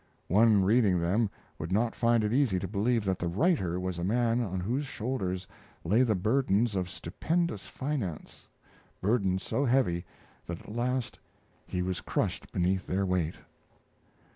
One reading them would not find it easy to believe that the writer was a man on whose shoulders lay the burdens of stupendous finance burdens so heavy that at last he was crushed beneath their weight.